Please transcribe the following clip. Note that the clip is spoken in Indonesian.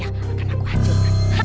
karena aku hacur kan